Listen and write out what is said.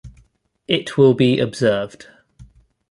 It will be observed.